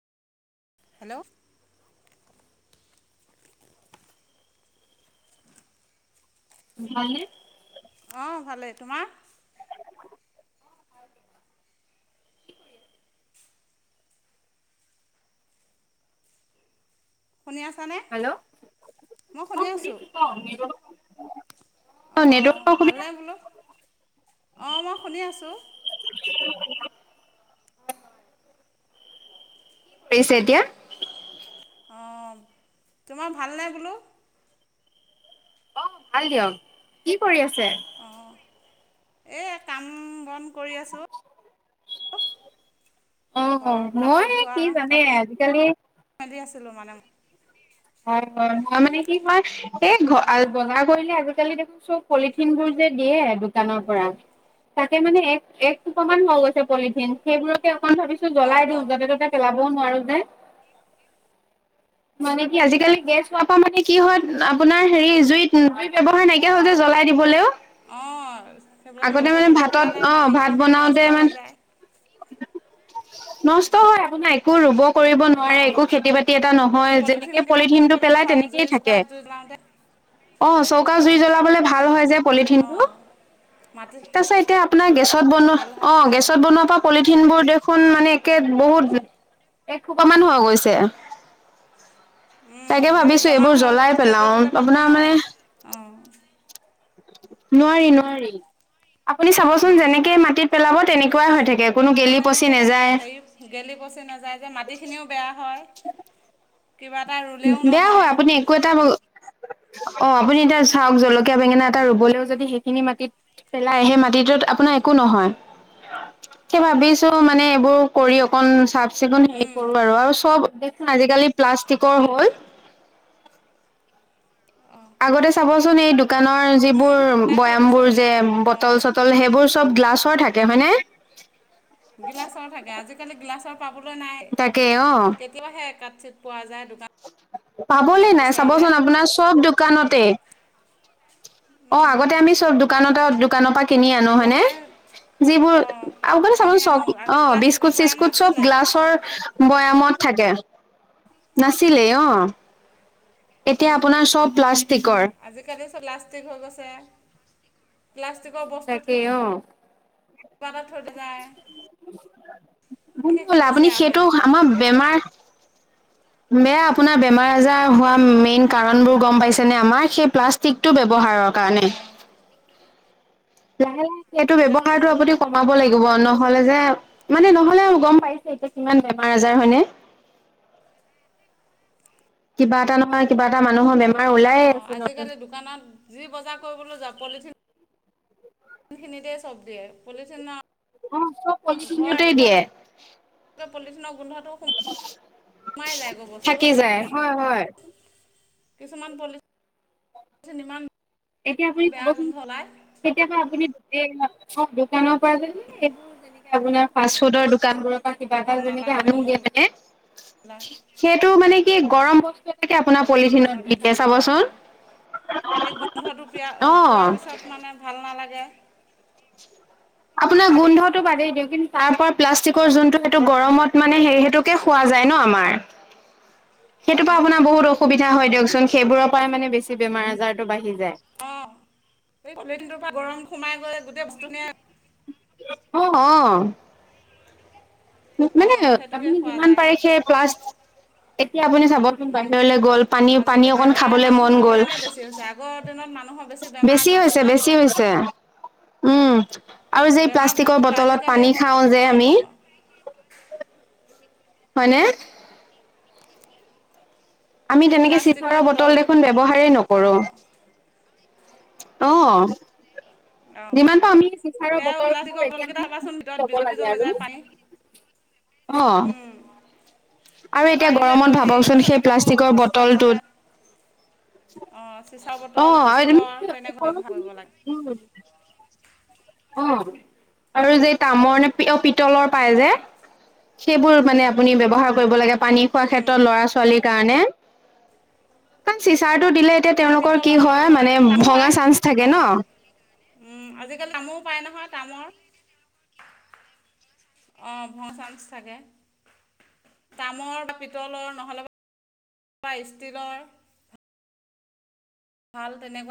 Hello. ভাল নে? অঁ', -ভালেই। তোমাৰ? শুনি আছা নে? হেল্ল'। অঁ', -শুনিছো, ক? অঁ', নেটৱৰ্কৰ -ভাল অসুবিধা নে বোলো? অঁ', -মই শুনি আছোঁ। [unintelligible] পিছে এতিয়া অঁ', তোমাৰ ভাল নে বোলো? অ', ভাল দিয়ক। কি কৰি আছে? অঁ', এই কাম-বন কৰি আছোঁ। অ', -ঘৰৰ মই কাপোৰ ধোৱা কি জানে কাপোৰ আজিকালি মেলি আছিলোঁ মানে। হয়-হয়-হয়। মানে কি হয়- এই বজাৰ কৰিলে আজিকালি দেখিছো পলিথিন বোৰ যে দিয়ে দোকানৰ পৰা। তাকে মানে এক-এক একহোপামান হৈ গৈছে পলিথিন। সেইবোৰকে অকণ ভাবিছো জ্বলাই দিওঁ অঁ য'তে-ত'তে পেলাবও নোৱাৰো যে। মানে- আজিকালি গেছ হোৱাৰ পৰা মানে কি হয় আপোনাৰ হেৰি জুইত-জুই ব্যৱহাৰ নাইকিয়া হ'ল যে জ্বলাই দিবলৈও। অঁ সেইবিলাক আগতে য'তে মানে ত'তে ভাত'ত পেলালে অঁ', ভাত হেৰিখিনিও বনাওঁতে নষ্ট হৈ মানে যায় নষ্ট হয়, একো নাই। একো ৰুব কৰিব নোৱাৰে, অঁ একো খেতি-বাতি এটা নহয়। যেনেকে পলিথিনকেইটা পুৰি কিন্ত পেলোৱা পেলাই হয় জুই তেনেকেই থাকে। চোকাত জুই জ্বলাওঁতে অঁ', -চৌকা জুই জ্বলাবলে ভাল হয়- পলিথিনবোৰ। অঁ মাটি তাৰপিছত এতিয়া আপোনাৰ গেছত বনোৱা, ভাল হয় অঁ গেছত বনোৱা- পলিথিনবোৰ দেখোন মানে একে বহুত এক হোপামান হৈ গৈছে। তাকে উমঁ, এই ভাবিছো জমা এইবোৰ হৈ জ্বলাই গতিকে পেলাও য'তে-ত'তে পেলাব আপোনাৰ নোৱাৰে, অঁ',। নোৱাৰি-নোৱাৰি। আপুনি চাবচোন উম। যেনেকৈ মাটিত পেলাব তেনেকুৱাই হৈ থাকে কোনো গেলি পচি তেনেকৈ থাকে নেযায়। হেৰি গেলি পচি নাযায়, যে মাটিখিনিও বেয়া হয়, কিবা এটা ৰুলেও নহয়। মানে এনেকুৱা এটা ব [unintelligible] অ', -আপুনি এতিয়া চাওক জলকীয়া বেঙেনা এটা ৰুবলৈও যদি সেইখিনি মাটিত- পেলাই সেই মাটিটোত আপোনাৰ একো নহয়। [unintelligible] সেই ভাবিছো মানে এইবোৰ কৰি অকণ চাফ-চিকুণ হে উম, কৰো আৰু। আৰু চব দেকান আজিকালি প্লাষ্টিক [unintelligible] আগতে চাবচোন এই দোকানৰ উম, যিবোৰ তিয়াই থৈ বয়াম বোৰ দিছোঁৱে। যে অঁ, বটল-চটল সেইবোৰ- চব গিলাচৰ থাকে হয় নে। গিলাচৰ থাকে, আজিকালি গিলাচৰ পাবলৈ নাই। তাকে অ সেই- কিবাহে কাট চিত পোৱা যায় দোকানত। পাবলে নাই বিচাৰিলে। চাবচোন আপোনাৰ চব দোকানতে। অ আগতে আমি চপ দোকানত দোকানপা কিনি আনো হয়নে। আগতে যিবোৰ অঁ, আপুনি কিনি চাবচোন চব আনো আগতে অ প্লাষ্টিকৰ বিস্কুট বৈয়াম চিস্কুত চব নাছিলেই। গ্লাছৰ। বৈয়ামত থাকে নাছিলেই অ। এতিয়া আপোনাৰ চব প্লাষ্টিকৰ। আজি কালি চব লাষ্টিক হৈ গৈছে, প্লাষ্টিকৰ বস্তুত কি। তেওঁ। কিব এটা থৈ নাযায় বিশেষকৈ ব'ল বেছ আপুনি বেয়া হৈ সেইটো যায় মানে। আমাৰ বেমাৰ। খোলা। বেয়া আপোনাৰ বেমাৰ আজাৰ হোৱা মেইন কাৰণবোৰ গম পাইছেনে আমাৰ সেই প্লাষ্টিকটো ব্যৱহাৰৰ। কানে। অঁ লাহে লাহে সেইটো এইবিলাক তুম ব্যবহাৰটো আপুনি ক। কমাব লাগিব নহ'লে যে মানে নহ'লে গম পাইছে এতিয়া কিমান বেমাৰ আজাৰ হয়নে। হয়। কিবা এটা নহয় কিবা এটা মানুহৰ বেমাৰ ওলাইে অঁ আছে নতুন। আজিকালি দোকানত। যি বজা কইবলৈ যাও পলিথিন। থ খিনি দিয়ে চব দিয়ে পলিথিন অ চব ঘৰ পলিথিনতে আহি পোৱাৰ দিয়ে লগে। তই পলিথিনৰ গোন্ধটো শই। থাকি যায় হয় হয়। কিছুমান পলি ঠিন ইমান। এতিয়া আপুনি বেয়া ক'বচোন গোন্ধ ওলায় কেতিয়াবা আপুনি গোটেই দোকানত। আপোনাৰ ফাচ ফুডৰ দোকান বোৰত। কিবা এটা ভাল যেনেকে নালাগে আবুন দিয়া গোন্ধবিলাক থাকে সেইটো মানে কি গৰম বস্তু। এটো আপোনাৰ পলিথিনত গোন্ধটো দিয়ে থাকি চাবচোন যায়গৈ সেই গোন্ধটো পিয়া অ। পোৱাৰ পিছত মানে ভাল নালাগে। আপোনাৰ গোন্ধটো বাদেই দিওঁক কিন্তু তাৰ পৰা প্লাষ্টিকৰ যোনটো সেইটো গৰমত মানে হেৰী সেইটো। টে খে খোৱা যায় ন আমাৰ। চি। সেইটোৰ পৰা আপোনাৰ বহুত অসুবিধা হয় দিয়কচোন সেইবোৰৰ পৰাই মানে বেছি বেমাৰ আজাৰটো বাঢ়ি যায়। অ এই পলিঠিনটোৰ পৰা গৰম সোমাই গ'লে গোটেই বস্তুখিনি য়ে। অ অ। মানে অঁ আ সেইটোকে আপুনি খোৱা যিমান পাৰে যায় সেই প্লাছ। এতিয়া আপুনি চাবচোন বাহিৰলৈ গ'ল পানী আজিকালি পানী অকন বেমাৰ খাবলে মানুহৰ মন গ'ল। সেইকাৰণে বেছি হৈছে আগৰ দিনত মানুহৰ বেছি বেমাৰ হৈছে নাছিলে বেছি হয়। হৈছে উম আৰু যে বেমাৰ বুলি প্লাষ্টিকৰ ক'বলৈ বটলত আজিকালি পানী খাও হক যে অ। আমি হয়নে। আমি সেই তেনেকে প্লাষ্টিকৰ চিখৰৰ বটল দেখোন ব্যৱহাৰেই অঁ নকৰোঁ। অঁ অঁ। অঁ যিমান পাওঁ আমি চিচাৰৰ সেয়া প্লাষ্টিকৰ বটলবোৰ এতিয়া বটলকেইটা মানে কিনি চাবাচোন ভিতৰত কিনি ল'ব বিজল বিজল লাগে হৈ যায় আৰু। পানী অ। উম আৰু এতিয়া পাৰিলে গৰমত হেৰি ল'ৰা ভাবকচোন সেই ছোৱালীবিলাকৰ প্লাষ্টিকৰ স্কট দিলে অঁ চিচাৰ বটলটোত। অ বটল আও এদিন ষ্টীলৰ তেনেকৈ উপত ব্যৱহাৰ আছিল কৰিব লাগে উ। অ আৰু যে তামৰ নে অ পিতলৰ পায় যে। সেইবোৰ মানে আপুনি ব্যৱহাৰ কৰিব লাগে। পানী খোৱা উম ক্ষেত্ৰত ল'ৰা-ছোৱালীৰ কাৰণে। কাৰণ চিচাৰটো দিলে তেতিয়া তেওঁলোকৰ কি পিতলৰ হয় পিতলৰ পায় মানে ভঙা চান্স থাকে ন! উম আজিকালি তামৰো পায় নহয়, তামৰ। অ ভঙা চান্স থাকে। তামৰ বা পিতলৰ নহ'লে বা ষ্টিলৰ। ভাল তেনেকুৱা